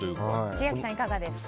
千秋さん、いかがですか？